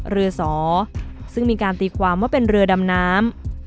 เรือสอซึ่งมีการตีความว่าเป็นเรือดำน้ำ